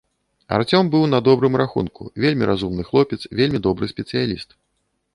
Арцём быў на добрым рахунку, вельмі разумны хлопец, вельмі добры спецыяліст.